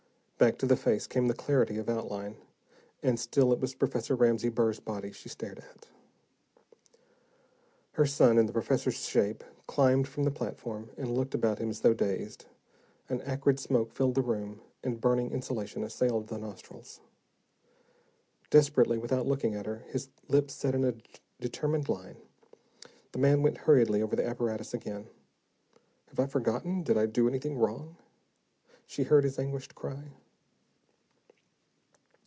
Back to the face came the clarity of outline, and still it was Professor Ramsey Burr's body she stared at. Her son, in the professor's shape, climbed from the platform, and looked about him as though dazed. An acrid smoke filled the room, and burning insulation assailed the nostrils. Desperately, without looking at her, his lips set in a determined line, the man went hurriedly over the apparatus again. "Have I forgotten, did I do anything wrong?" she heard his anguished cry.